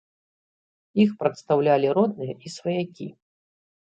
Іх прадстаўлялі родныя і сваякі.